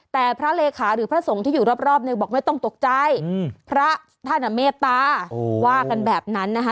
แต่พระเลขาหรือพระสงฆ์ที่อยู่รอบนึงบอกไม่ต้องตกใจพระท่านเมตตาว่ากันแบบนั้นนะคะ